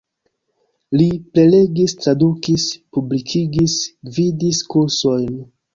Li prelegis, tradukis, publikigis, gvidis kursojn.